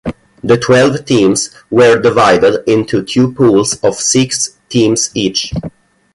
The twelve teams were divided into two pools of six teams each.